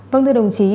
vâng thưa đồng chí